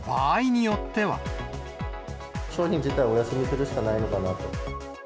商品自体をお休みするしかないのかなと。